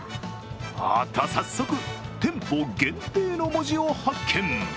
おっと、早速、店舗限定の文字を発見。